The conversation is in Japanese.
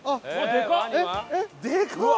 でかっ！